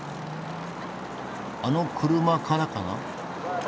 あの車からかな？